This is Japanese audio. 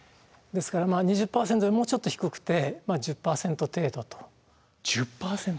ですから２０％よりもうちょっと低くて１０％！？